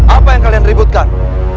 apa yang kalian ributkan